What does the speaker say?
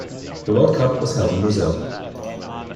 The world cup was held in Brazil.